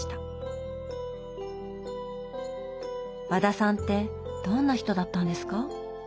和田さんってどんな人だったんですか？